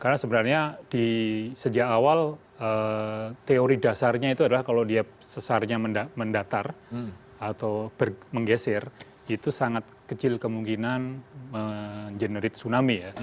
karena sebenarnya di sejak awal teori dasarnya itu adalah kalau dia sesarnya mendatar atau menggeser itu sangat kecil kemungkinan mengenerate tsunami ya